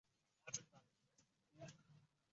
Yuragi shuuuv – tovonida eng norgʼulin.